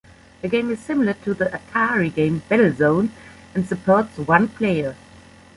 The game is similar to the Atari game "Battlezone", and supports one player.